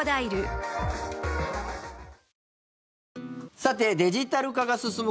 さてデジタル化が進む